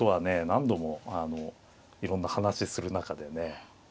何度もいろんな話する中でね